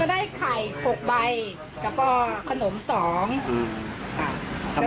อันนี้ก็ไม่มีของอะไรมาก